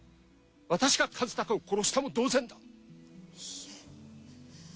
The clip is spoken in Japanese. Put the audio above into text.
私が和鷹を殺したも同然だ。